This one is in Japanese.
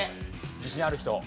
自信ある人。